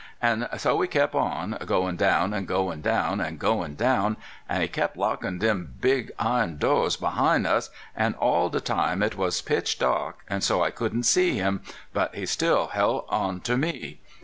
An' so we kep' on, goin' down, an' goin' down, an' goin' down, an' he kep' lockin' dem big iron do's behin' us, an' all de time it was pitch dark, so I couldn't see him, but he still hel' on ter me.